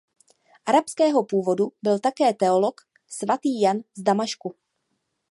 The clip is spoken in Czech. Arabského původu byl také teolog svatý Jan z Damašku.